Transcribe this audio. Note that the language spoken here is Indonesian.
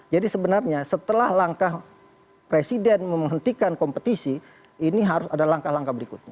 jadi sebenarnya setelah langkah presiden menghentikan kompetisi ini harus ada langkah langkah berikutnya